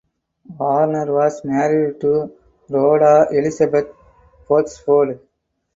Warner was married to Rhoda Elizabeth Botsford.